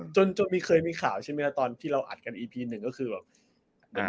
จนมีเคยมีข่าวใช่ไหมครับตอนที่เราอัดกันอีพีหนึ่งก็คือแบบ